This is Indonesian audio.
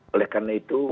oleh karena itu